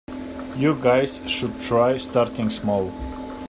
You guys should try starting small.